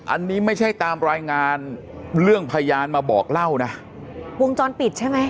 อันนี้ไม่ใช่ตามรายงานเรื่องพยานมาบอกเล่านะวงจรปิดใช่ไหม